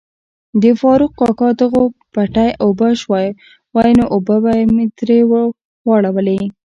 د فاروق کاکا دغو پټی اوبه شوای وو نو اوبه می تري واړولي.